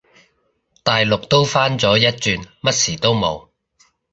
大陸都返咗一轉，乜事都冇